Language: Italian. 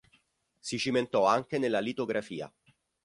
Si cimentò anche nella litografia.